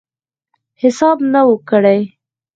حساب نه وو کړی.